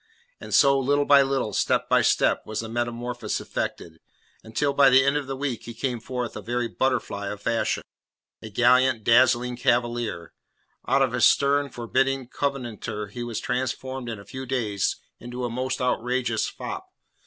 And so, little by little, step by step, was the metamorphosis effected, until by the end of the week he came forth a very butterfly of fashion a gallant, dazzling Cavalier. Out of a stern, forbidding Covenanter he was transformed in a few days into a most outrageous fop.